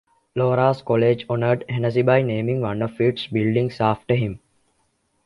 Loras College honored Hennessy by naming one of its buildings after him.